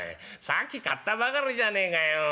さっき買ったばかりじゃねえかよ」。